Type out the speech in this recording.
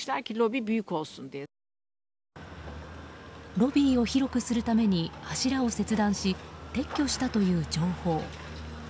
ロビーを広くするために柱を切断し撤去したという情報。